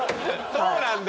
そうなんだ。